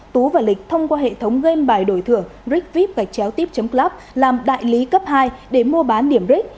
tú và lịch thông qua hệ thống game bài đổi thưởng rigvip gạch chéo tip club làm đại lý cấp hai để mua bán điểm rig